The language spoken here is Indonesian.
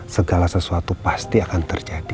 segala sesuatu pasti akan terjadi